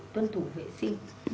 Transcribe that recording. tuân thủ vệ sinh